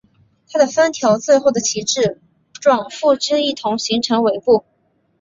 它的三条最后的旗帜状附肢一同形成尾部。